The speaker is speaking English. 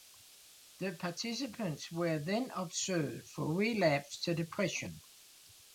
The participants were then observed for relapse to depression.